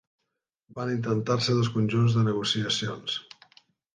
Van intentar-se dos conjunts de negociacions.